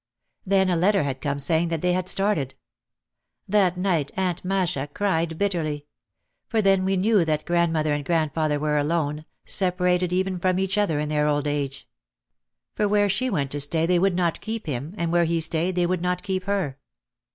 Then a letter had come saying that they had started. That night Aunt Masha cried bitterly. For then we knew that grandmother and grandfather were alone, separated even from each other in their old age. For where she went to stay they would not keep him, and where he stayed they would not keep her.